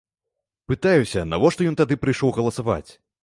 Пытаюся, навошта ён тады прыйшоў галасаваць.